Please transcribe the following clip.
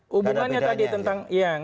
hubungannya tadi tentang tidak ada bedanya